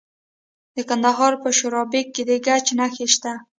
د کندهار په شورابک کې د ګچ نښې شته.